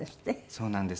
そうなんです。